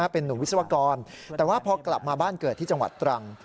เป็นหนุ่มวิศวกรแต่ว่าพอกลับมาบ้านเกิดที่จังหวัดตรัง